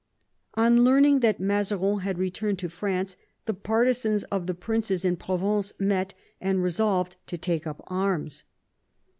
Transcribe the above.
On learning that Mazarin had returned to France, the partisans of the princes in Provence met and re solved to take up arms.